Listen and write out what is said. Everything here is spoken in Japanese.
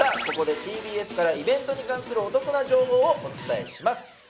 ここでＴＢＳからイベントに関するお得な情報をお伝えします